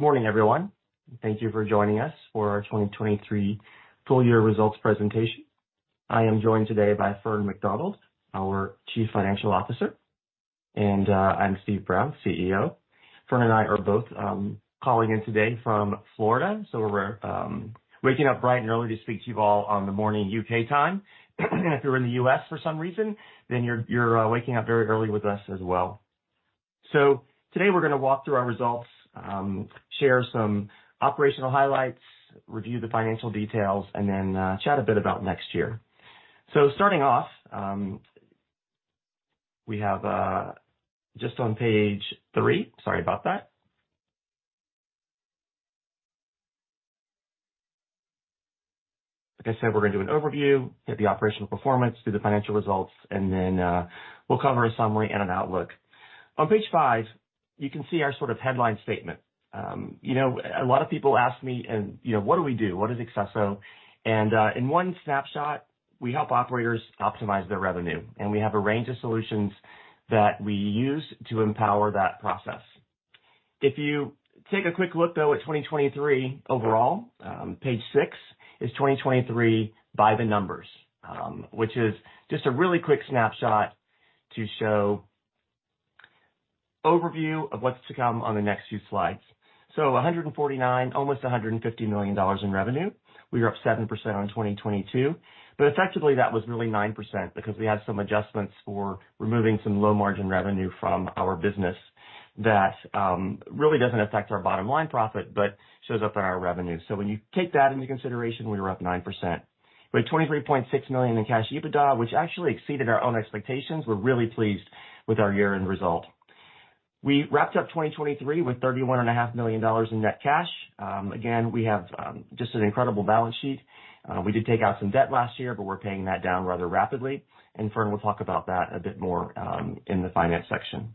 Morning, everyone. Thank you for joining us for our 2023 Full Year Results Presentation. I am joined today by Fern MacDonald, our Chief Financial Officer, and I'm Steve Brown, CEO. Fern and I are both calling in today from Florida, so we're waking up bright and early to speak to you all on the morning U.K. time. If you're in the U.S. for some reason, then you're waking up very early with us as well. Today, we're going to walk through our results, share some operational highlights, review the financial details, and then chat a bit about next year. Starting off, we have just on page three. Sorry about that. Like I said, we're going to do an overview, hit the operational performance, do the financial results, and then we'll cover a summary and an outlook. On page five, you can see our sort of headline statement. You know, a lot of people ask me and, you know, "What do we do? What is accesso?" And, in one snapshot, we help operators optimize their revenue, and we have a range of solutions that we use to empower that process. If you take a quick look, though, at 2023 overall, page six is 2023 by the numbers, which is just a really quick snapshot to show overview of what's to come on the next few slides. So $149 million, almost $150 million in revenue. We were up 7% on 2022, but effectively that was really 9% because we had some adjustments for removing some low margin revenue from our business that, really doesn't affect our bottom line profit, but shows up in our revenue. So when you take that into consideration, we were up 9%. We had $23.6 million in cash EBITDA, which actually exceeded our own expectations. We're really pleased with our year-end result. We wrapped up 2023 with $31.5 million in net cash. Again, we have, just an incredible balance sheet. We did take out some debt last year, but we're paying that down rather rapidly, and Fern will talk about that a bit more, in the finance section.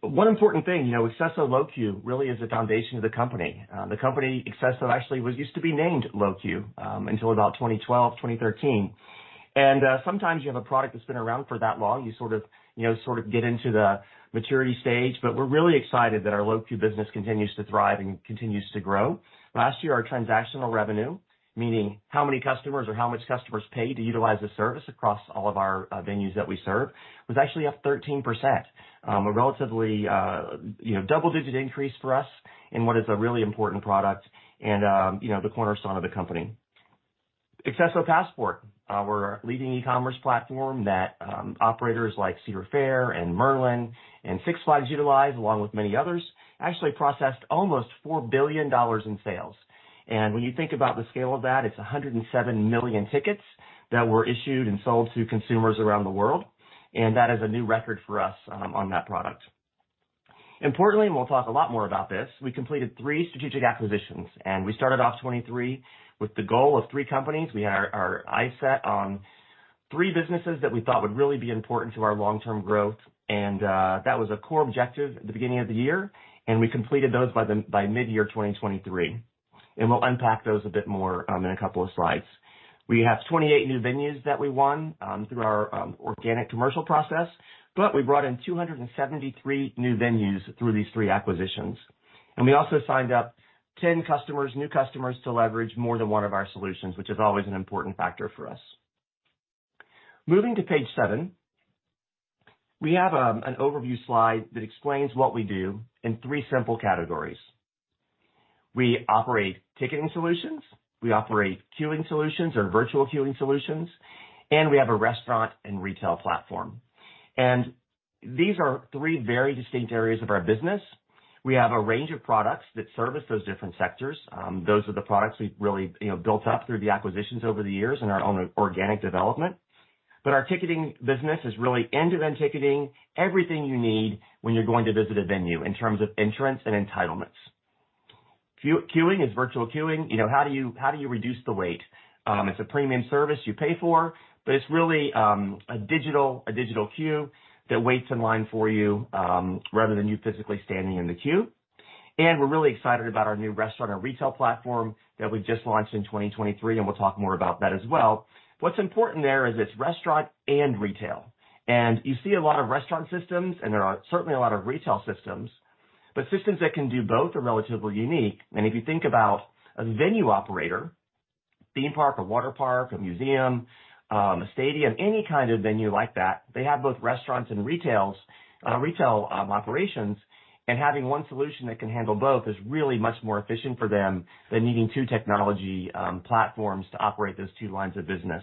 One important thing, you know, accesso LoQueue really is the foundation of the company. The company accesso actually was used to be named LoQueue until about 2012, 2013. Sometimes you have a product that's been around for that long, you sort of, you know, sort of get into the maturity stage, but we're really excited that our LoQueue business continues to thrive and continues to grow. Last year, our transactional revenue, meaning how many customers or how much customers pay to utilize the service across all of our venues that we serve, was actually up 13%. A relatively, you know, double-digit increase for us in what is a really important product and, you know, the cornerstone of the company. accesso Passport, we're a leading e-commerce platform that operators like Cedar Fair and Merlin and Six Flags utilize, along with many others, actually processed almost $4 billion in sales. When you think about the scale of that, it's 107 million tickets that were issued and sold to consumers around the world, and that is a new record for us on that product. Importantly, we'll talk a lot more about this. We completed three strategic acquisitions, and we started off 2023 with the goal of three companies. We had our eyes set on three businesses that we thought would really be important to our long-term growth, and that was a core objective at the beginning of the year, and we completed those by midyear 2023. We'll unpack those a bit more in a couple of slides. We have 28 new venues that we won through our organic commercial process, but we brought in 273 new venues through these three acquisitions. And we also signed up 10 customers, new customers, to leverage more than one of our solutions, which is always an important factor for us. Moving to page seven, we have an overview slide that explains what we do in three simple categories. We operate ticketing solutions, we operate queuing solutions or virtual queuing solutions, and we have a restaurant and retail platform. And these are three very distinct areas of our business. We have a range of products that service those different sectors. Those are the products we've really, you know, built up through the acquisitions over the years in our own organic development. But our ticketing business is really end-to-end ticketing, everything you need when you're going to visit a venue in terms of entrance and entitlements. Queuing is virtual queuing. You know, how do you, how do you reduce the wait? It's a premium service you pay for, but it's really a digital queue that waits in line for you rather than you physically standing in the queue. And we're really excited about our new restaurant and retail platform that we just launched in 2023, and we'll talk more about that as well. What's important there is it's restaurant and retail, and you see a lot of restaurant systems, and there are certainly a lot of retail systems, but systems that can do both are relatively unique. And if you think about a venue operator, theme park, a water park, a museum, a stadium, any kind of venue like that, they have both restaurants and retail operations. Having one solution that can handle both is really much more efficient for them than needing two technology platforms to operate those two lines of business.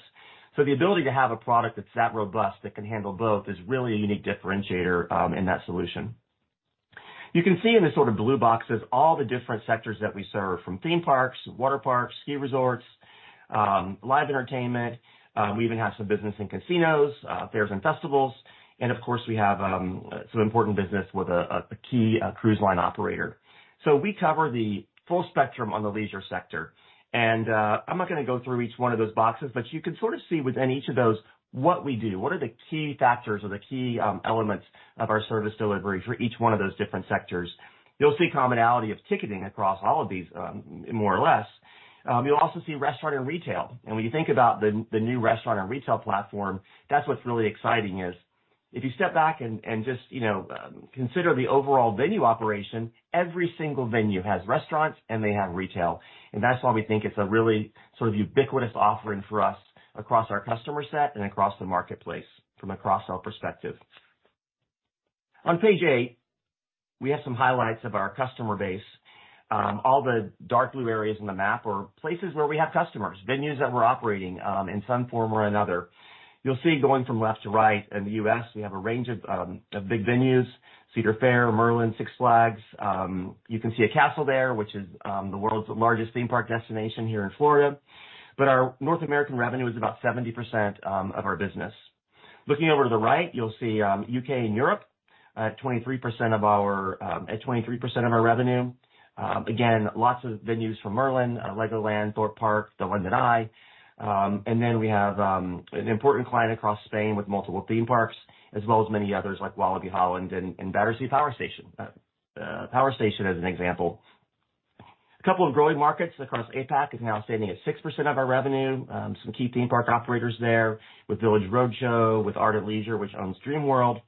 So the ability to have a product that's that robust that can handle both is really a unique differentiator in that solution. You can see in the sort of blue boxes, all the different sectors that we serve, from theme parks, water parks, ski resorts, live entertainment. We even have some business in casinos, fairs and festivals, and of course, we have some important business with a key cruise line operator. So we cover the full spectrum on the leisure sector. I'm not going to go through each one of those boxes, but you can sort of see within each of those what we do, what are the key factors or the key elements of our service delivery for each one of those different sectors. You'll see commonality of ticketing across all of these, more or less. You'll also see restaurant and retail. And when you think about the new restaurant and retail platform, that's what's really exciting. If you step back and just, you know, consider the overall venue operation, every single venue has restaurants and they have retail, and that's why we think it's a really sort of ubiquitous offering for us across our customer set and across the marketplace from a cross-sell perspective. On page eight, we have some highlights of our customer base. All the dark blue areas on the map are places where we have customers, venues that we're operating in some form or another. You'll see, going from left to right in the U.S., we have a range of big venues, Cedar Fair, Merlin, Six Flags. You can see a castle there, which is the world's largest theme park destination here in Florida. But our North American revenue is about 70% of our business. Looking over to the right, you'll see U.K. and Europe, 23% of our at 23% of our revenue. Again, lots of venues from Merlin, LEGOLAND, Thorpe Park, the London Eye. And then we have an important client across Spain with multiple theme parks, as well as many others like Walibi Holland and Battersea Power Station, as an example. A couple of growing markets across APAC is now standing at 6% of our revenue. Some key theme park operators there with Village Roadshow, with Ardent Leisure, which owns Dreamworld.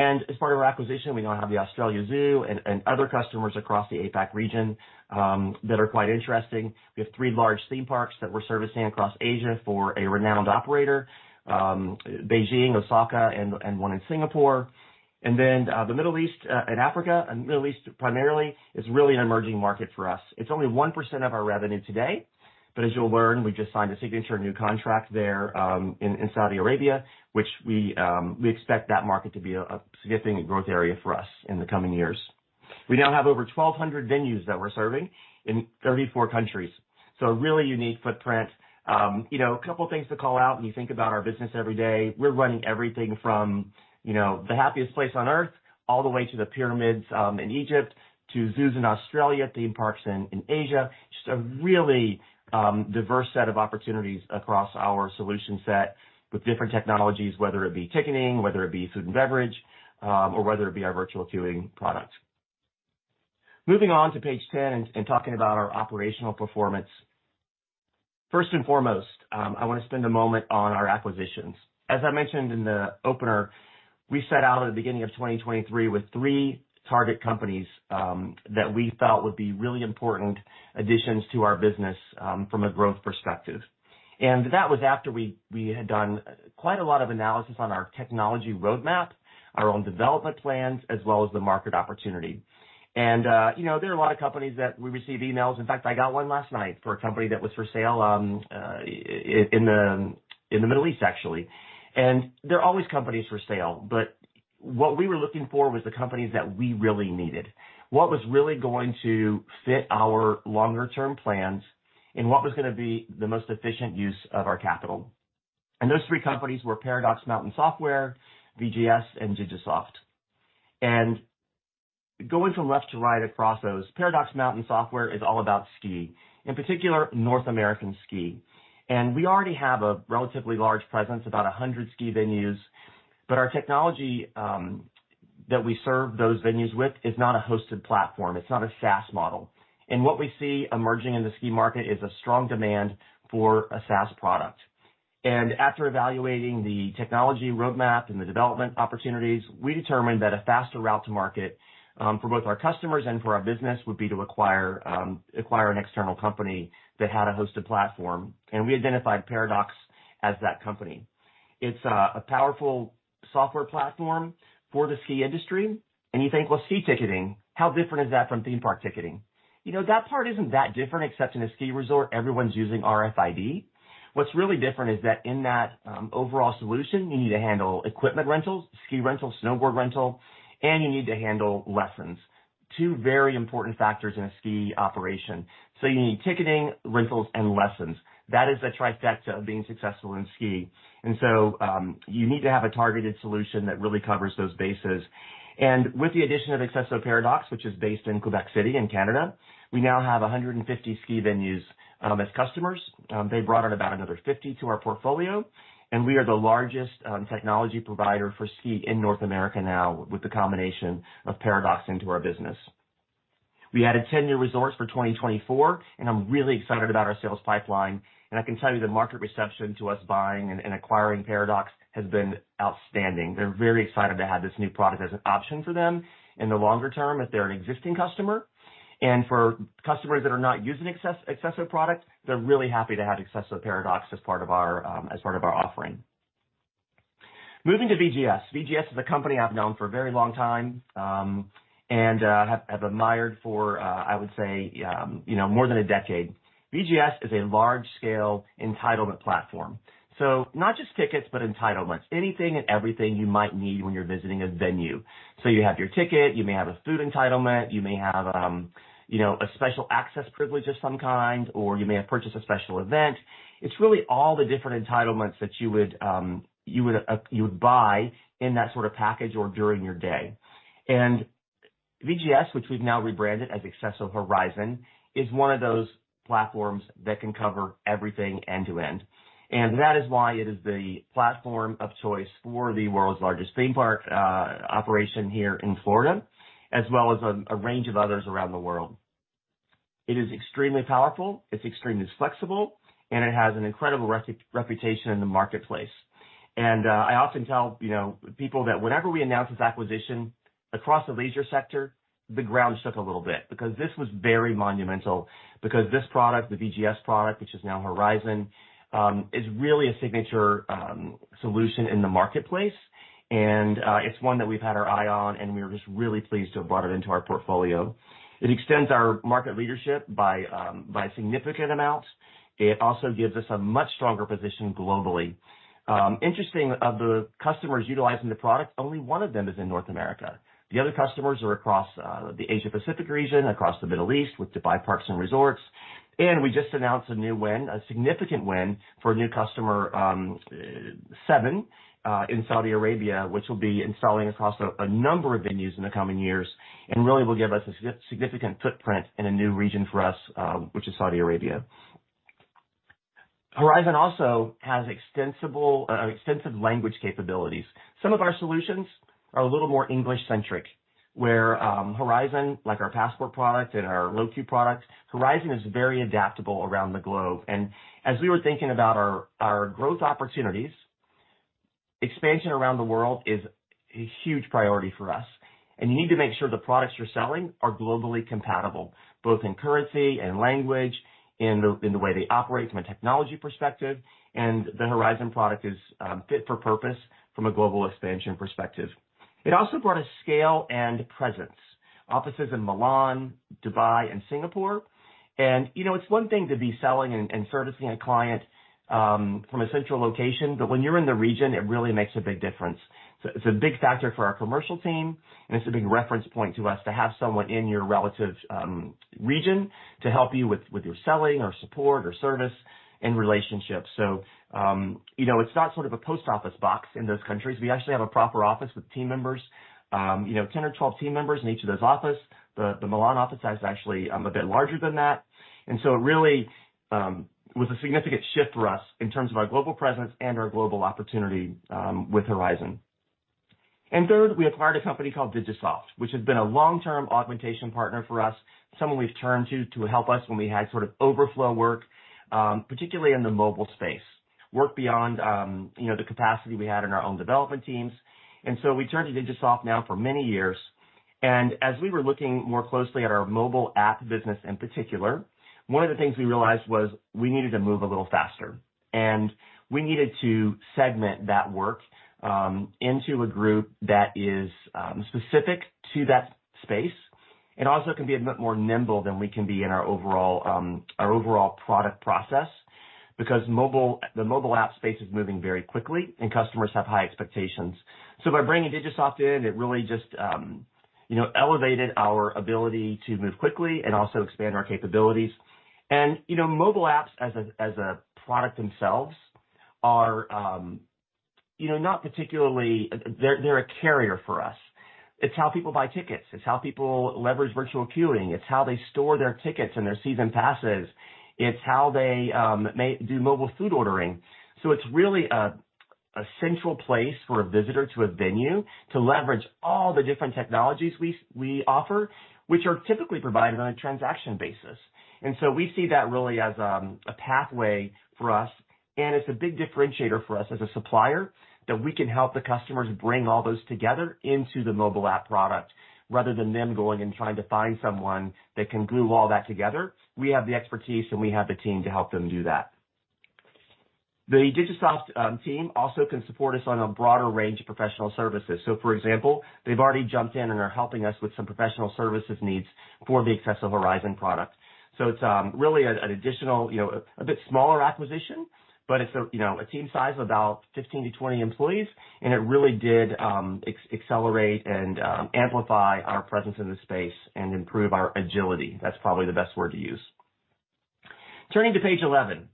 And as part of our acquisition, we now have the Australia Zoo and other customers across the APAC region that are quite interesting. We have three large theme parks that we're servicing across Asia for a renowned operator, Beijing, Osaka, and one in Singapore. And then, the Middle East and Africa, the Middle East primarily, is really an emerging market for us. It's only 1% of our revenue today, but as you'll learn, we just signed a significant new contract there in Saudi Arabia, which we expect that market to be a significant growth area for us in the coming years. We now have over 1,200 venues that we're serving in 34 countries, so a really unique footprint. You know, a couple of things to call out when you think about our business every day. We're running everything from, you know, the happiest place on Earth, all the way to the pyramids in Egypt, to zoos in Australia, theme parks in Asia. Just a really diverse set of opportunities across our solution set with different technologies, whether it be ticketing, whether it be food and beverage, or whether it be our virtual queuing product. Moving on to page 10 and talking about our operational performance. First and foremost, I want to spend a moment on our acquisitions. As I mentioned in the opener, we set out at the beginning of 2023 with three target companies that we felt would be really important additions to our business from a growth perspective. That was after we had done quite a lot of analysis on our technology roadmap, our own development plans, as well as the market opportunity. You know, there are a lot of companies that we receive emails. In fact, I got one last night for a company that was for sale in the Middle East, actually. And there are always companies for sale, but what we were looking for was the companies that we really needed, what was really going to fit our longer term plans, and what was going to be the most efficient use of our capital. Those three companies were Paradocs Mountain Software, VGS, and Digisoft. Going from left to right across those, Paradocs Mountain Software is all about ski, in particular, North American ski. We already have a relatively large presence, about 100 ski venues, but our technology that we serve those venues with is not a hosted platform. It's not a SaaS model. What we see emerging in the ski market is a strong demand for a SaaS product. After evaluating the technology roadmap and the development opportunities, we determined that a faster route to market for both our customers and for our business would be to acquire an external company that had a hosted platform, and we identified Paradocs as that company. It's a powerful software platform for the ski industry. And you think, well, ski ticketing, how different is that from theme park ticketing? You know, that part isn't that different, except in a ski resort, everyone's using RFID. What's really different is that in that, overall solution, you need to handle equipment rentals, ski rentals, snowboard rental, and you need to handle lessons. Two very important factors in a ski operation. So you need ticketing, rentals, and lessons. That is the trifecta of being successful in ski. And so, you need to have a targeted solution that really covers those bases. And with the addition of accesso Paradox, which is based in Quebec City in Canada, we now have 150 ski venues, as customers. They brought out about another 50 to our portfolio, and we are the largest technology provider for ski in North America now with the combination of Paradox into our business. We added 10 new resorts for 2024, and I'm really excited about our sales pipeline. I can tell you the market reception to us buying and acquiring Paradox has been outstanding. They're very excited to have this new product as an option for them in the longer term, if they're an existing customer. And for customers that are not using accesso products, they're really happy to have accesso Paradox as part of our offering. Moving to VGS. VGS is a company I've known for a very long time, and have admired for, I would say, you know, more than a decade. VGS is a large-scale entitlement platform. So not just tickets, but entitlements. Anything and everything you might need when you're visiting a venue. So you have your ticket, you may have a food entitlement, you may have, you know, a special access privilege of some kind, or you may have purchased a special event. It's really all the different entitlements that you would buy in that sort of package or during your day. And VGS, which we've now rebranded as accesso Horizon, is one of those platforms that can cover everything end to end. And that is why it is the platform of choice for the world's largest theme park operation here in Florida, as well as a range of others around the world. It is extremely powerful, it's extremely flexible, and it has an incredible reputation in the marketplace. I often tell, you know, people that whenever we announce this acquisition across the leisure sector, the ground shook a little bit because this was very monumental, because this product, the VGS product, which is now Horizon, is really a signature solution in the marketplace. It's one that we've had our eye on, and we are just really pleased to have brought it into our portfolio. It extends our market leadership by, by significant amounts. It also gives us a much stronger position globally. Interesting, of the customers utilizing the product, only one of them is in North America. The other customers are across the Asia Pacific region, across the Middle East, with Dubai Parks and Resorts. We just announced a new win, a significant win for a new customer, Seven, in Saudi Arabia, which will be installing across a number of venues in the coming years and really will give us a significant footprint in a new region for us, which is Saudi Arabia. Horizon also has extensive language capabilities. Some of our solutions are a little more English-centric, where Horizon, like our Passport product and our LoQueue product, Horizon is very adaptable around the globe. As we were thinking about our growth opportunities, expansion around the world is a huge priority for us, and you need to make sure the products you're selling are globally compatible, both in currency and language, in the way they operate from a technology perspective, and the Horizon product is fit for purpose from a global expansion perspective. It also brought a scale and presence. Offices in Milan, Dubai, and Singapore. You know, it's one thing to be selling and servicing a client from a central location, but when you're in the region, it really makes a big difference. It's a big factor for our commercial team, and it's a big reference point to us to have someone in your relative region to help you with your selling or support or service and relationships. So, you know, it's not sort of a post office box in those countries. We actually have a proper office with team members, you know, 10 or 12 team members in each of those offices. The Milan office has actually a bit larger than that. And so it really was a significant shift for us in terms of our global presence and our global opportunity with Horizon. And third, we acquired a company called Digisoft, which has been a long-term augmentation partner for us, someone we've turned to to help us when we had sort of overflow work, particularly in the mobile space. Work beyond, you know, the capacity we had in our own development teams. And so we turned to Digisoft now for many years. As we were looking more closely at our Mobile App business in particular, one of the things we realized was we needed to move a little faster, and we needed to segment that work into a group that is specific to that space and also can be a bit more nimble than we can be in our overall product process, because mobile - the mobile app space is moving very quickly and customers have high expectations. So by bringing Digisoft in, it really just, you know, elevated our ability to move quickly and also expand our capabilities. And, you know, mobile apps as a product themselves are, you know, not particularly - they're a carrier for us. It's how people buy tickets. It's how people leverage virtual queuing. It's how they store their tickets and their season passes. It's how they may do mobile food ordering. So it's really a central place for a visitor to a venue to leverage all the different technologies we offer, which are typically provided on a transaction basis. And so we see that really as a pathway for us, and it's a big differentiator for us as a supplier, that we can help the customers bring all those together into the Mobile App product, rather than them going and trying to find someone that can glue all that together. We have the expertise and we have the team to help them do that. The Digisoft team also can support us on a broader range of professional services. So, for example, they've already jumped in and are helping us with some professional services needs for the accesso Horizon product. So it's really an additional, you know, a bit smaller acquisition, but it's a, you know, a team size of about 15-20 employees, and it really did accelerate and amplify our presence in this space and improve our agility. That's probably the best word to use. Turning to page 11.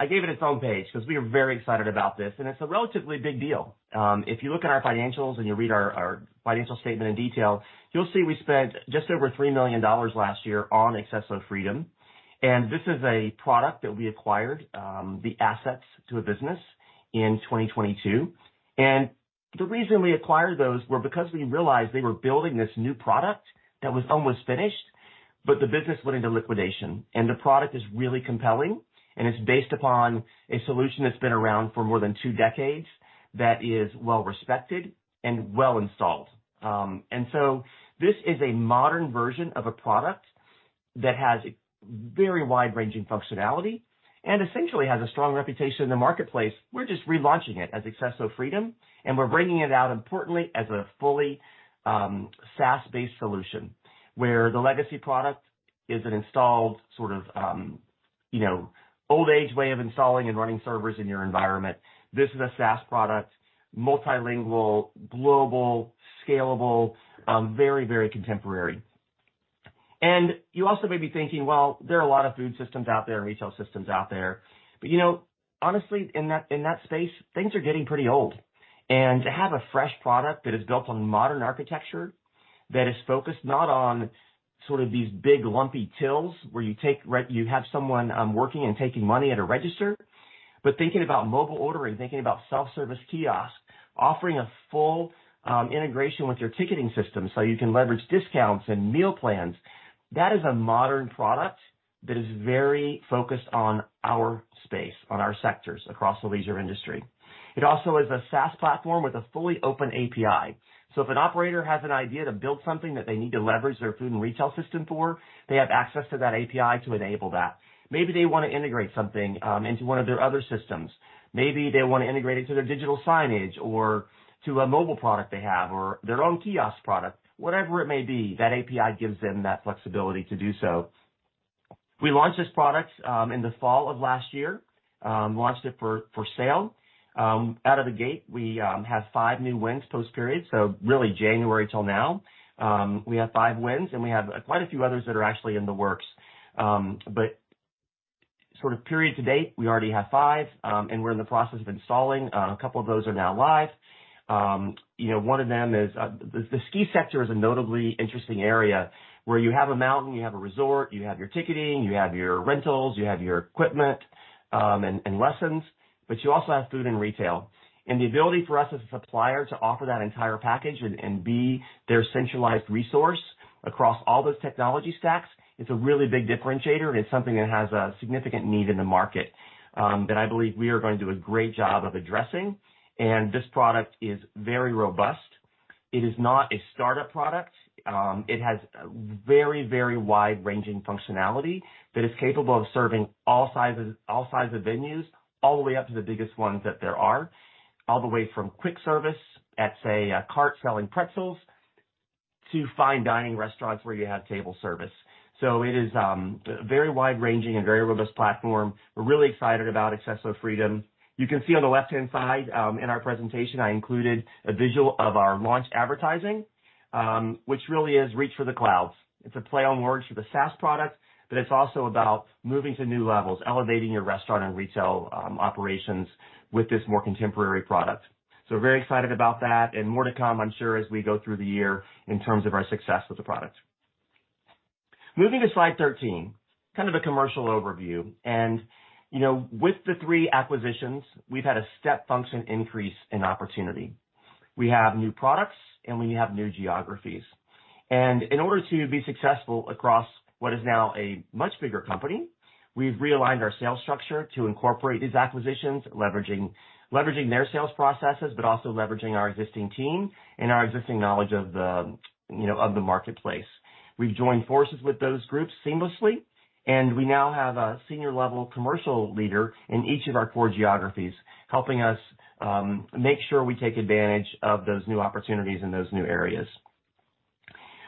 I gave it its own page because we are very excited about this, and it's a relatively big deal. If you look at our financials and you read our financial statement in detail, you'll see we spent just over $3 million last year on accesso Freedom, and this is a product that we acquired the assets to a business in 2022. And the reason we acquired those were because we realized they were building this new product that was almost finished, but the business went into liquidation. The product is really compelling, and it's based upon a solution that's been around for more than two decades that is well respected and well installed. And so this is a modern version of a product that has a very wide-ranging functionality and essentially has a strong reputation in the marketplace. We're just relaunching it as accesso Freedom, and we're bringing it out importantly as a fully SaaS-based solution, where the legacy product is an installed sort of you know, old age way of installing and running servers in your environment. This is a SaaS product, multilingual, global, scalable, very, very contemporary. And you also may be thinking, well, there are a lot of food systems out there and retail systems out there. But you know, honestly, in that, in that space, things are getting pretty old. To have a fresh product that is built on modern architecture, that is focused not on sort of these big lumpy tills, where you have someone working and taking money at a register. But thinking about mobile ordering, thinking about self-service kiosk, offering a full integration with your ticketing system, so you can leverage discounts and meal plans, that is a modern product that is very focused on our space, on our sectors across the leisure industry. It also is a SaaS platform with a fully open API. So if an operator has an idea to build something that they need to leverage their food and retail system for, they have access to that API to enable that. Maybe they wanna integrate something into one of their other systems. Maybe they wanna integrate it to their digital signage or to a mobile product they have, or their own kiosk product. Whatever it may be, that API gives them that flexibility to do so. We launched this product in the fall of last year, launched it for sale. Out of the gate, we have five new wins post period, so really January till now. We have five wins, and we have quite a few others that are actually in the works. But sort of period to date, we already have five, and we're in the process of installing. A couple of those are now live. You know, one of them is... The ski sector is a notably interesting area, where you have a mountain, you have a resort, you have your ticketing, you have your rentals, you have your equipment, and lessons, but you also have food and retail. The ability for us as a supplier to offer that entire package and be their centralized resource across all those technology stacks, it's a really big differentiator, and it's something that has a significant need in the market, that I believe we are going to do a great job of addressing. This product is very robust. It is not a startup product. It has a very, very wide-ranging functionality that is capable of serving all sizes, all sizes of venues, all the way up to the biggest ones that there are. All the way from quick service at, say, a cart selling pretzels, to fine dining restaurants where you have table service. So it is a very wide-ranging and very robust platform. We're really excited about accesso Freedom. You can see on the left-hand side in our presentation, I included a visual of our launch advertising, which really is Reach for the Clouds. It's a play on words for the SaaS product, but it's also about moving to new levels, elevating your restaurant and retail operations with this more contemporary product. So we're very excited about that and more to come, I'm sure, as we go through the year in terms of our success with the product. Moving to slide 13, kind of a commercial overview. You know, with the three acquisitions, we've had a step function increase in opportunity. We have new products and we have new geographies. In order to be successful across what is now a much bigger company, we've realigned our sales structure to incorporate these acquisitions, leveraging, leveraging their sales processes, but also leveraging our existing team and our existing knowledge of the, you know, of the marketplace. We've joined forces with those groups seamlessly, and we now have a senior level commercial leader in each of our four geographies, helping us make sure we take advantage of those new opportunities in those new areas.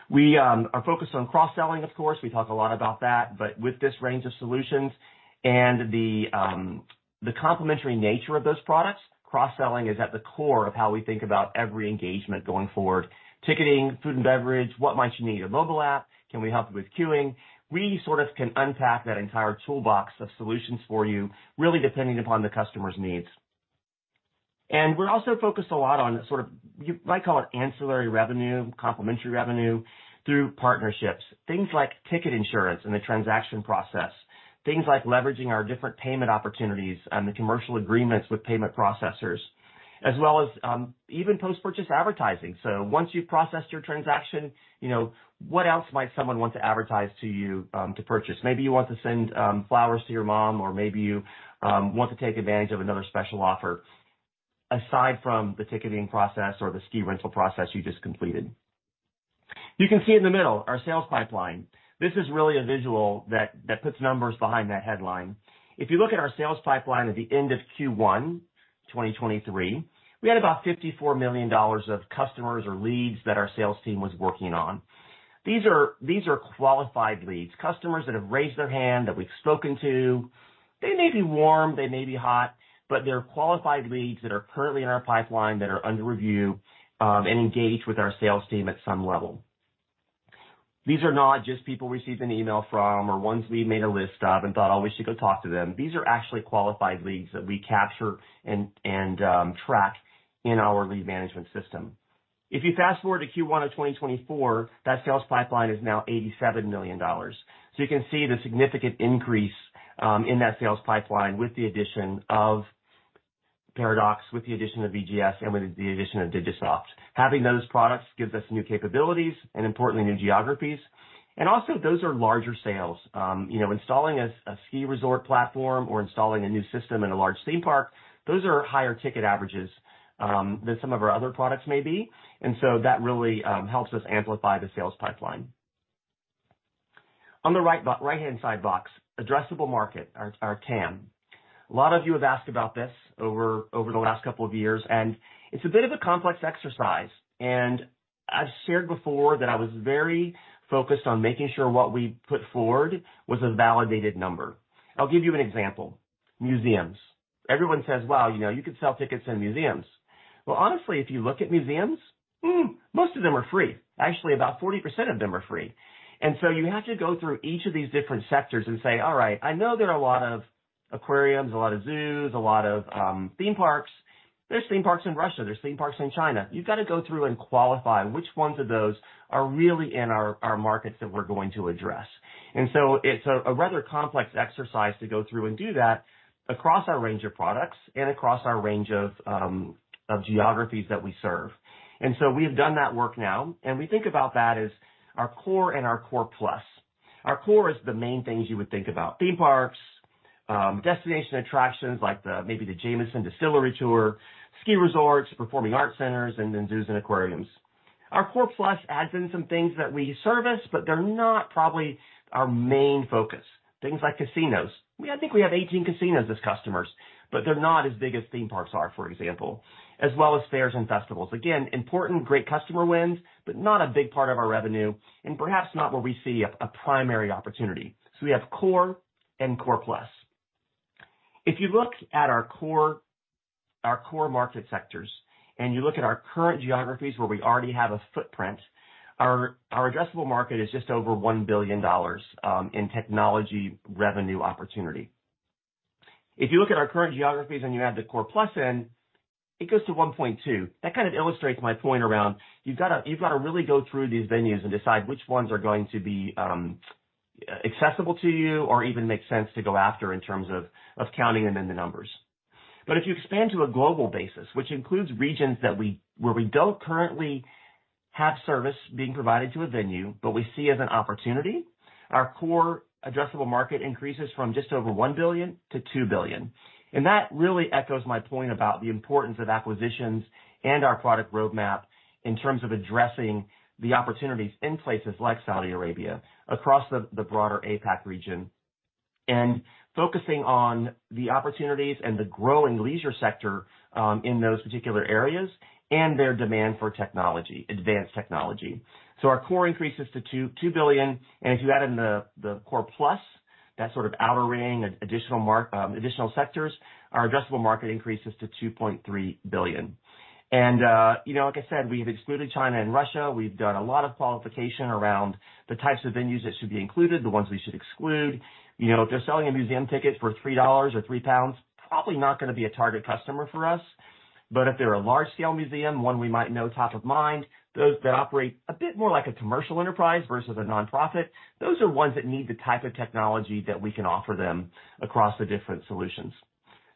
We are focused on cross-selling, of course. We talk a lot about that, but with this range of solutions and the, the complementary nature of those products, cross-selling is at the core of how we think about every engagement going forward. Ticketing, food and beverage, what might you need? A Mobile App? Can we help you with queuing? We sort of can unpack that entire toolbox of solutions for you, really, depending upon the customer's needs. We're also focused a lot on sort of, you might call it ancillary revenue, complimentary revenue, through partnerships. Things like ticket insurance in the transaction process, things like leveraging our different payment opportunities and the commercial agreements with payment processors, as well as even post-purchase advertising. So once you've processed your transaction, you know, what else might someone want to advertise to you to purchase? Maybe you want to send flowers to your mom, or maybe you want to take advantage of another special offer, aside from the ticketing process or the ski rental process you just completed. You can see in the middle, our sales pipeline. This is really a visual that puts numbers behind that headline. If you look at our sales pipeline at the end of Q1, 2023, we had about $54 million of customers or leads that our sales team was working on. These are, these are qualified leads, customers that have raised their hand, that we've spoken to. They may be warm, they may be hot, but they're qualified leads that are currently in our pipeline, that are under review, and engaged with our sales team at some level. These are not just people we received an email from or ones we've made a list of and thought, "Oh, we should go talk to them." These are actually qualified leads that we capture and track in our lead management system. If you fast-forward to Q1 of 2024, that sales pipeline is now $87 million. So you can see the significant increase in that sales pipeline with the addition of Paradox, with the addition of VGS, and with the addition of Digisoft. Having those products gives us new capabilities and importantly, new geographies. And also, those are larger sales. You know, installing a ski resort platform or installing a new system in a large theme park, those are higher ticket averages than some of our other products may be. And so that really helps us amplify the sales pipeline. On the right-hand side box, addressable market, our TAM. A lot of you have asked about this over the last couple of years, and it's a bit of a complex exercise, and I've shared before that I was very focused on making sure what we put forward was a validated number. I'll give you an example. Museums. Everyone says: Well, you know, you could sell tickets in museums. Well, honestly, if you look at museums, most of them are free. Actually, about 40% of them are free. And so you have to go through each of these different sectors and say: All right, I know there are a lot of aquariums, a lot of zoos, a lot of theme parks. There are theme parks in Russia, there are theme parks in China. You've got to go through and qualify which ones of those are really in our markets that we're going to address. And so it's a rather complex exercise to go through and do that across our range of products and across our range of geographies that we serve. And so we have done that work now, and we think about that as our core and our core plus. Our core is the main things you would think about: theme parks, destination attractions, like the, maybe the Jameson Distillery tour, ski resorts, performing arts centers, and then zoos and aquariums. Our core plus adds in some things that we service, but they're not probably our main focus. Things like casinos. We, I think we have 18 casinos as customers, but they're not as big as theme parks are, for example, as well as fairs and festivals. Again, important, great customer wins, but not a big part of our revenue and perhaps not where we see a primary opportunity. So we have core and core plus. If you look at our core, our core market sectors, and you look at our current geographies, where we already have a footprint, our addressable market is just over $1 billion in technology revenue opportunity. If you look at our current geographies and you add the core plus in, it goes to 1.2. That kind of illustrates my point around, you've got to, you've got to really go through these venues and decide which ones are going to be accessible to you or even make sense to go after in terms of counting them in the numbers. But if you expand to a global basis, which includes regions where we don't currently have service being provided to a venue, but we see as an opportunity, our core addressable market increases from just over $1 billion-$2 billion. That really echoes my point about the importance of acquisitions and our product roadmap in terms of addressing the opportunities in places like Saudi Arabia, across the broader APAC region, and focusing on the opportunities and the growing leisure sector in those particular areas and their demand for technology, advanced technology. So our core increases to $2.2 billion, and if you add in the core plus, that sort of outer ring of additional sectors, our addressable market increases to $2.3 billion. You know, like I said, we have excluded China and Russia. We've done a lot of qualification around the types of venues that should be included, the ones we should exclude. You know, if they're selling a museum ticket for $3 or 3 pounds, probably not going to be a target customer for us. But if they're a large-scale museum, one we might know top of mind, those that operate a bit more like a commercial enterprise versus a nonprofit, those are ones that need the type of technology that we can offer them across the different solutions.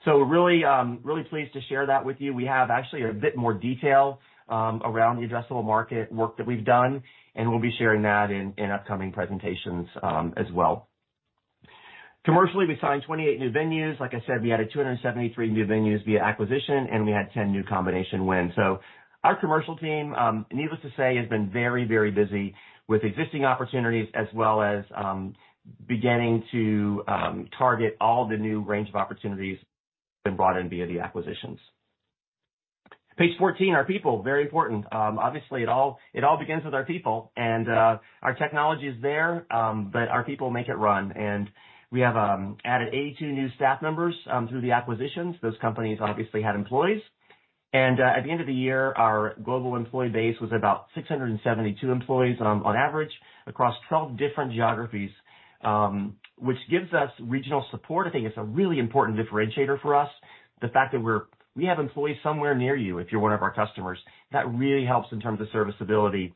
So we're really, really pleased to share that with you. We have actually a bit more detail around the addressable market work that we've done, and we'll be sharing that in upcoming presentations, as well. Commercially, we signed 28 new venues. Like I said, we added 273 new venues via acquisition, and we had 10 new combination wins. So our commercial team, needless to say, has been very, very busy with existing opportunities as well as beginning to target all the new range of opportunities been brought in via the acquisitions. Page 14, our people, very important. Obviously, it all begins with our people, and our technology is there, but our people make it run. We have added 82 new staff members through the acquisitions. Those companies obviously had employees. At the end of the year, our global employee base was about 672 employees on average, across 12 different geographies, which gives us regional support. I think it's a really important differentiator for us, the fact that we have employees somewhere near you if you're one of our customers. That really helps in terms of serviceability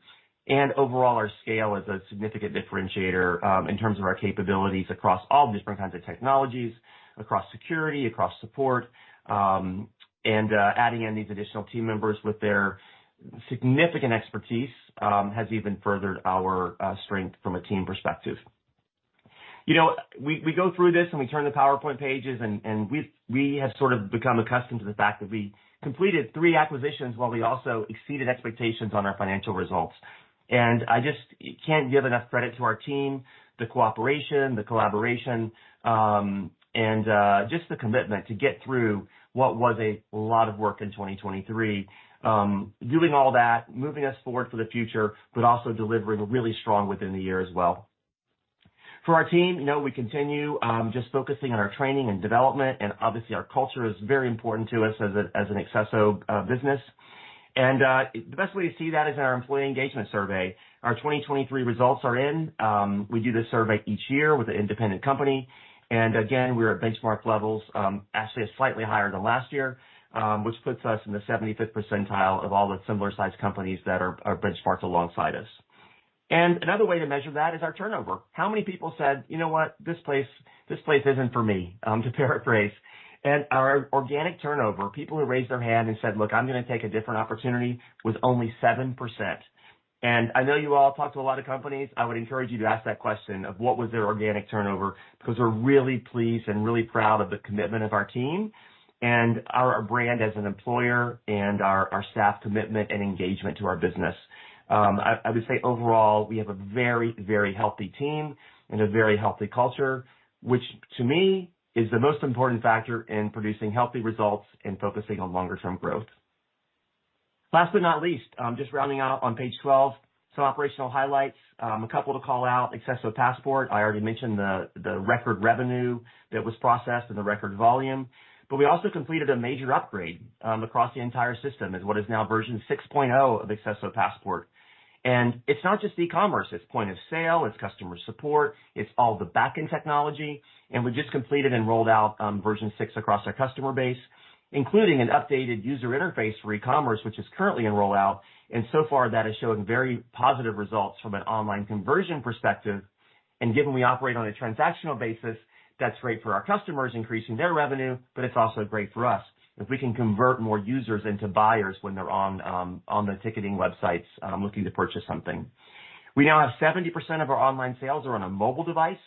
and overall our scale as a significant differentiator, in terms of our capabilities across all different kinds of technologies, across security, across support, and adding in these additional team members with their significant expertise, has even furthered our strength from a team perspective. You know, we go through this, and we turn the PowerPoint pages, and we've become accustomed to the fact that we completed three acquisitions while we also exceeded expectations on our financial results. I just can't give enough credit to our team, the cooperation, the collaboration, and just the commitment to get through what was a lot of work in 2023. Doing all that, moving us forward for the future, but also delivering really strong within the year as well. For our team, you know, we continue just focusing on our training and development, and obviously, our culture is very important to us as a, as an accesso business. And the best way to see that is in our employee engagement survey. Our 2023 results are in. We do this survey each year with an independent company, and again, we're at benchmark levels, actually slightly higher than last year, which puts us in the 75th percentile of all the similar-sized companies that are, are benchmarks alongside us. And another way to measure that is our turnover. How many people said, "You know what? This place, this place isn't for me," to paraphrase. And our organic turnover, people who raised their hand and said, "Look, I'm going to take a different opportunity," was only 7%. I know you all talk to a lot of companies. I would encourage you to ask that question of what was their organic turnover, because we're really pleased and really proud of the commitment of our team and our brand as an employer and our staff commitment and engagement to our business. I would say overall, we have a very, very healthy team and a very healthy culture, which to me is the most important factor in producing healthy results and focusing on longer term growth. Last but not least, just rounding out on page 12, some operational highlights. A couple to call out, accesso Passport. I already mentioned the record revenue that was processed and the record volume, but we also completed a major upgrade across the entire system as what is now version 6.0 of accesso Passport. It's not just e-commerce, it's point of sale, it's customer support, it's all the backend technology. We just completed and rolled out version 6 across our customer base, including an updated user interface for e-commerce, which is currently in rollout, and so far, that is showing very positive results from an online conversion perspective. Given we operate on a transactional basis, that's great for our customers, increasing their revenue, but it's also great for us if we can convert more users into buyers when they're on the ticketing websites looking to purchase something. We now have 70% of our online sales are on a mobile device.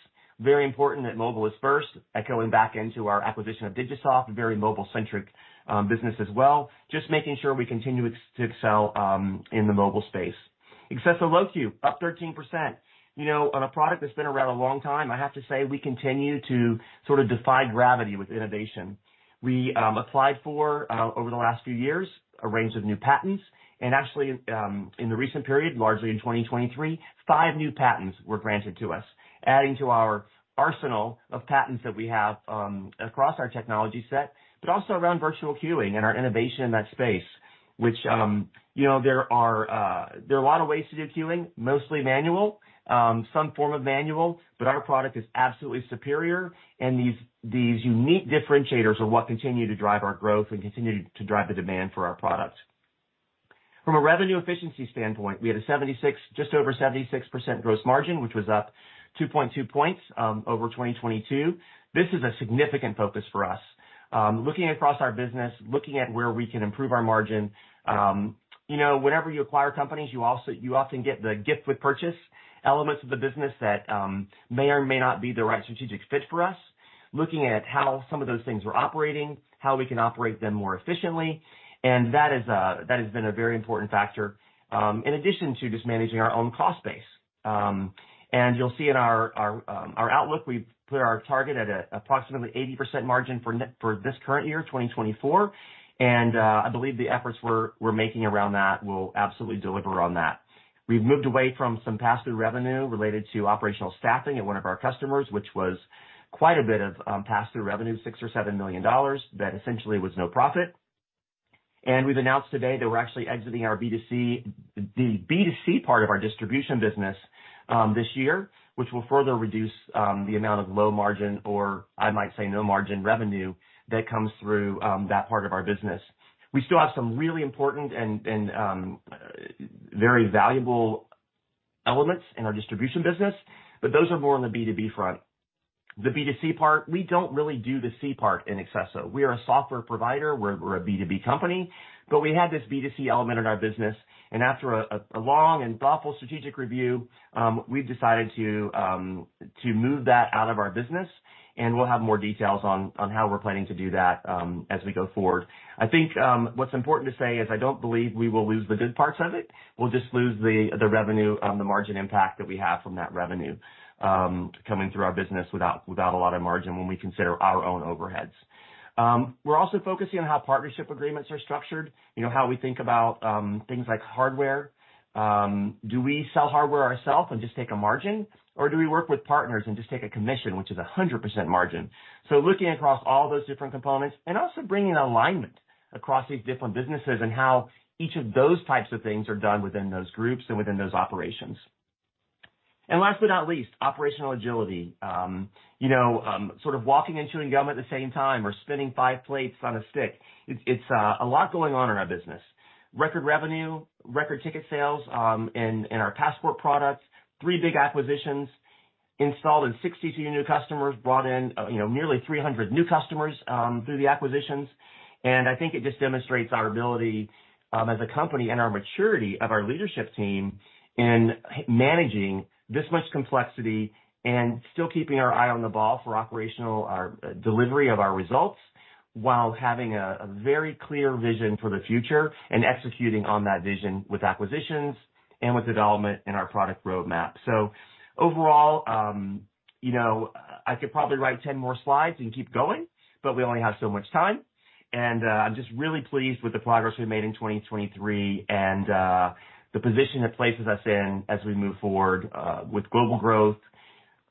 Very important that mobile is first, echoing back into our acquisition of Digisoft, a very mobile-centric business as well. Just making sure we continue to excel in the mobile space. accesso LoQueue, up 13%. You know, on a product that's been around a long time, I have to say, we continue to sort of defy gravity with innovation. We applied for over the last few years a range of new patents, and actually in the recent period, largely in 2023, 5 new patents were granted to us, adding to our arsenal of patents that we have across our technology set, but also around virtual queuing and our innovation in that space, which you know there are there are a lot of ways to do queuing, mostly manual, some form of manual, but our product is absolutely superior, and these these unique differentiators are what continue to drive our growth and continue to drive the demand for our product. From a revenue efficiency standpoint, we had just over 76% gross margin, which was up 2.2 points over 2022. This is a significant focus for us. Looking across our business, looking at where we can improve our margin, you know, whenever you acquire companies, you often get the gift with purchase elements of the business that may or may not be the right strategic fit for us. Looking at how some of those things were operating, how we can operate them more efficiently, and that is, that has been a very important factor in addition to just managing our own cost base. And you'll see in our outlook, we've put our target at approximately 80% margin for this current year, 2024, and I believe the efforts we're making around that will absolutely deliver on that. We've moved away from some pass-through revenue related to operational staffing at one of our customers, which was quite a bit of pass-through revenue, $6 million or $7 million. That essentially was no profit. And we've announced today that we're actually exiting our B2C, the B2C part of our distribution business, this year, which will further reduce the amount of low margin, or I might say, no margin revenue, that comes through that part of our business. We still have some really important and very valuable elements in our distribution business, but those are more on the B2B front. The B2C part, we don't really do the C part in accesso. We are a software provider, we're a B2B company, but we had this B2C element in our business, and after a long and thoughtful strategic review, we've decided to move that out of our business, and we'll have more details on how we're planning to do that, as we go forward. I think, what's important to say is I don't believe we will lose the good parts of it. We'll just lose the revenue, the margin impact that we have from that revenue, coming through our business without a lot of margin when we consider our own overheads. We're also focusing on how partnership agreements are structured, you know, how we think about things like hardware. Do we sell hardware ourself and just take a margin? Or do we work with partners and just take a commission, which is a 100% margin? So looking across all those different components and also bringing alignment across these different businesses and how each of those types of things are done within those groups and within those operations. And last but not least, operational agility. You know, sort of walking and chewing gum at the same time, or spinning five plates on a stick. It's a lot going on in our business. Record revenue, record ticket sales, in our Passport products, three big acquisitions, installed in 62 new customers, brought in, you know, nearly 300 new customers, through the acquisitions. I think it just demonstrates our ability as a company and our maturity of our leadership team in managing this much complexity and still keeping our eye on the ball for operational our delivery of our results, while having a very clear vision for the future and executing on that vision with acquisitions and with development in our product roadmap. So overall, you know, I could probably write 10 more slides and keep going, but we only have so much time. And I'm just really pleased with the progress we've made in 2023 and the position it places us in as we move forward with global growth,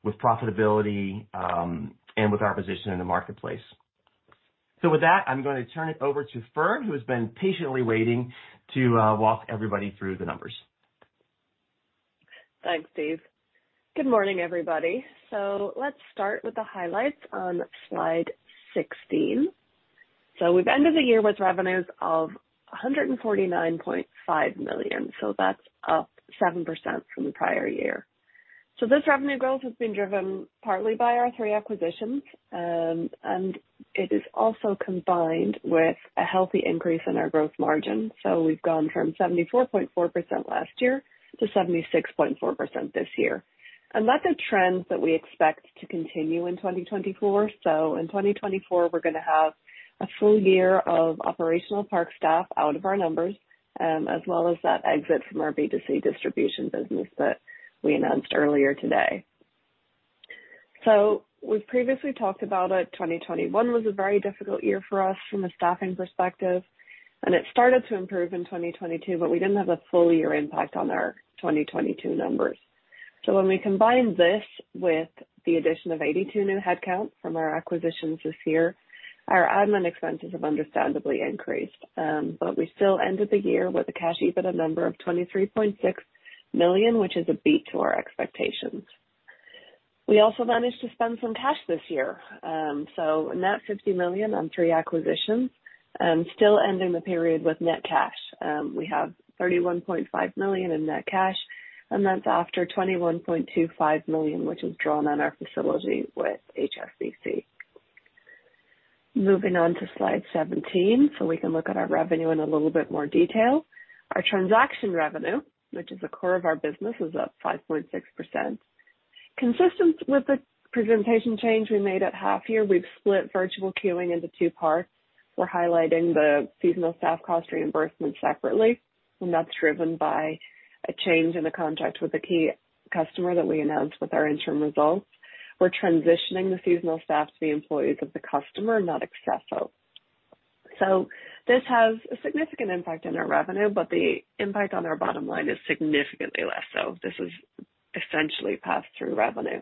with profitability, and with our position in the marketplace. So with that, I'm going to turn it over to Fern, who has been patiently waiting to walk everybody through the numbers. Thanks, Steve. Good morning, everybody. So let's start with the highlights on slide 16. So we've ended the year with revenues of $149.5 million, so that's up 7% from the prior year. So this revenue growth has been driven partly by our three acquisitions, and it is also combined with a healthy increase in our gross margin. So we've gone from 74.4% last year to 76.4% this year. And that's a trend that we expect to continue in 2024. So in 2024, we're going to have a full year of operational park staff out of our numbers, as well as that exit from our B2C distribution business that we announced earlier today. So we've previously talked about it. 2021 was a very difficult year for us from a staffing perspective, and it started to improve in 2022, but we didn't have a full year impact on our 2022 numbers. So when we combine this with the addition of 82 new headcount from our acquisitions this year, our admin expenses have understandably increased. But we still ended the year with a cash EBITDA number of $23.6 million, which is a beat to our expectations. We also managed to spend some cash this year. So a net $50 million on three acquisitions and still ending the period with net cash. We have $31.5 million in net cash, and that's after $21.25 million, which is drawn on our facility with HSBC. Moving on to slide 17, so we can look at our revenue in a little bit more detail. Our transaction revenue, which is the core of our business, is up 5.6%. Consistent with the presentation change we made at half year, we've split virtual queuing into two parts. We're highlighting the seasonal staff cost reimbursement separately, and that's driven by a change in the contract with a key customer that we announced with our interim results. We're transitioning the seasonal staff to the employees of the customer, not accesso. So this has a significant impact on our revenue, but the impact on our bottom line is significantly less. So this is essentially pass-through revenue.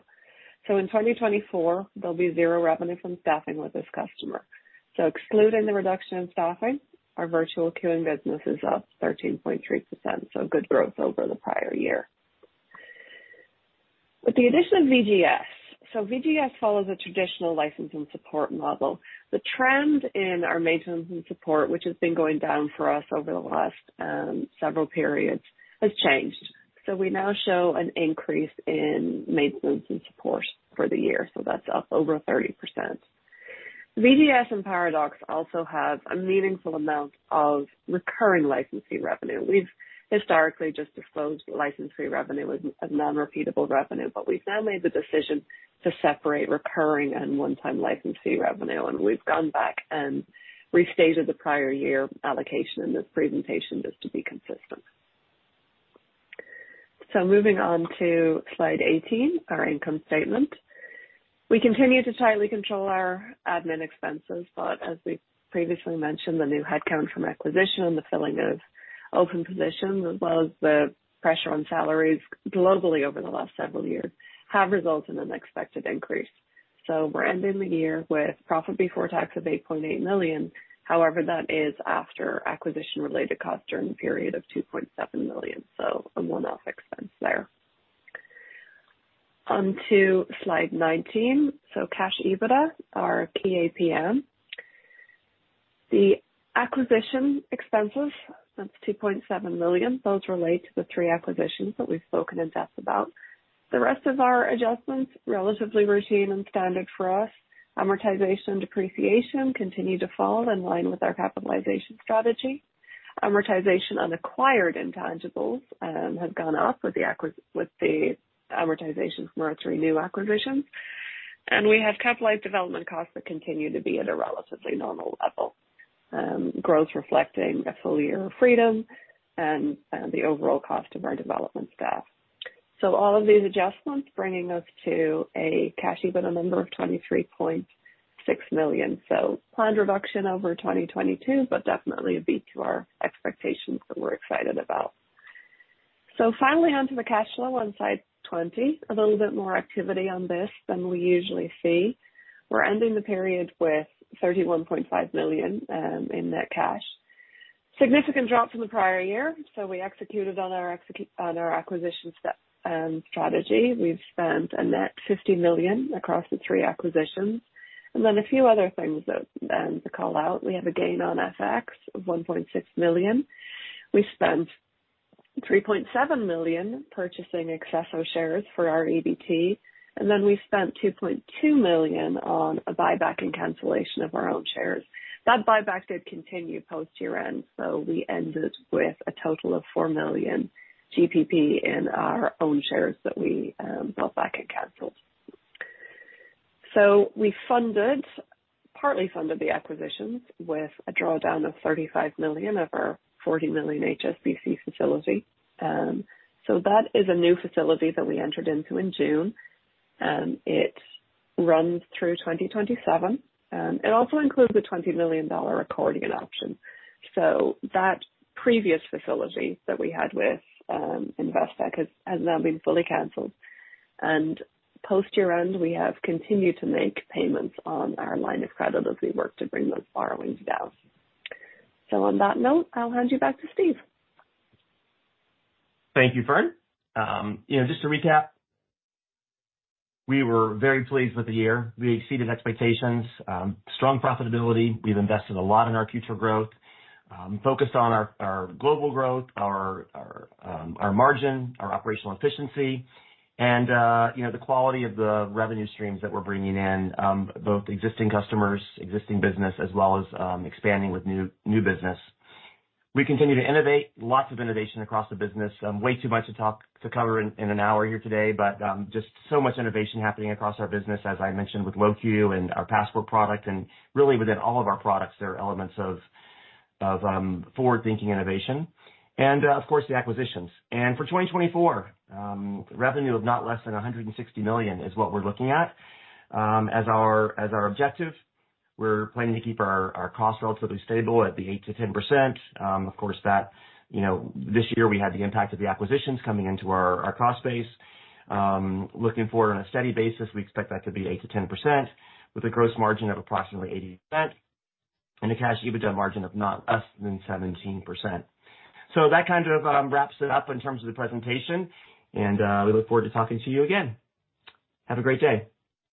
So in 2024, there'll be zero revenue from staffing with this customer. So excluding the reduction in staffing, our virtual queuing business is up 13.3%, so good growth over the prior year. With the addition of VGS, so VGS follows a traditional license and support model. The trend in our maintenance and support, which has been going down for us over the last, several periods, has changed. So we now show an increase in maintenance and support for the year. So that's up over 30%. VGS and Paradox also have a meaningful amount of recurring license fee revenue. We've historically just disclosed license fee revenue as, as non-repeatable revenue, but we've now made the decision to separate recurring and one-time license fee revenue, and we've gone back and restated the prior year allocation in this presentation just to be consistent. So moving on to slide 18, our income statement. We continue to tightly control our admin expenses, but as we've previously mentioned, the new headcount from acquisition and the filling of open positions, as well as the pressure on salaries globally over the last several years, have resulted in an expected increase. We're ending the year with profit before tax of $8.8 million. However, that is after acquisition-related costs during the period of $2.7 million. So a one-off expense there. On to slide 19, so cash EBITDA, our [PAPM. The acquisition expenses, that's $2.7 million. Those relate to the three acquisitions that we've spoken in depth about. The rest of our adjustments, relatively routine and standard for us. Amortization and depreciation continue to fall in line with our capitalization strategy. Amortization on acquired intangibles have gone up with the amortization from our three new acquisitions. And we have capitalized development costs that continue to be at a relatively normal level. Growth reflecting a full year of Freedom and the overall cost of our development staff. So all of these adjustments bringing us to a cash EBITDA number of $23.6 million. So planned reduction over 2022, but definitely a beat to our expectations that we're excited about. So finally, on to the cash flow on slide 20. A little bit more activity on this than we usually see. We're ending the period with $31.5 million in net cash. Significant drop from the prior year, so we executed on our acquisition step strategy. We've spent a net $50 million across the three acquisitions. And then a few other things that to call out. We have a gain on FX of $1.6 million. We spent $3.7 million purchasing accesso shares for our EBT, and then we spent $2.2 million on a buyback and cancellation of our own shares. That buyback did continue post year-end, so we ended with a total of $4 million in our own shares that we bought back and canceled. So we funded, partly funded the acquisitions with a drawdown of $35 million of our $40 million HSBC facility. So that is a new facility that we entered into in June. It runs through 2027. It also includes a $20 million accordion option. So that previous facility that we had with Investec has, has now been fully canceled. And post year-end, we have continued to make payments on our line of credit as we work to bring those borrowings down. So on that note, I'll hand you back to Steve. Thank you, Fern. You know, just to recap, we were very pleased with the year. We exceeded expectations, strong profitability. We've invested a lot in our future growth, focused on our, our global growth, our, our, our margin, our operational efficiency, and, you know, the quality of the revenue streams that we're bringing in, both existing customers, existing business, as well as, expanding with new, new business. We continue to innovate, lots of innovation across the business. Way too much to talk, to cover in, in an hour here today, but, just so much innovation happening across our business, as I mentioned, with LoQueue and our Passport product, and really within all of our products, there are elements of, of, forward-thinking innovation and, of course, the acquisitions. For 2024, revenue of not less than $160 million is what we're looking at, as our, as our objective. We're planning to keep our, our costs relatively stable at the 8%-10%. Of course, that, you know, this year we had the impact of the acquisitions coming into our, our cost base. Looking forward on a steady basis, we expect that to be 8%-10% with a gross margin of approximately 80% and a cash EBITDA margin of not less than 17%. So that kind of wraps it up in terms of the presentation, and we look forward to talking to you again. Have a great day!